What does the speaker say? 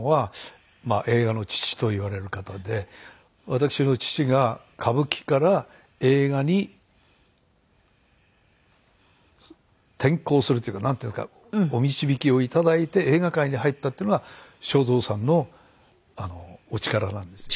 私の父が歌舞伎から映画に転向するっていうかなんていうんですかお導きをいただいて映画界に入ったっていうのが省三さんのお力なんですよね。